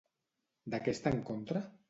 De què està en contra?